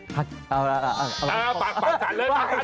ปากสานเลยล่ะ